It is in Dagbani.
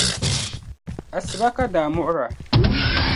Asiba ka daa muɣira.